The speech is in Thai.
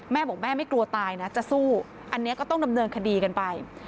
แม่บอกแม่ไม่กลัวตายนะจะสู้อันนี้ก็ต้องดำเนินคดีกันไป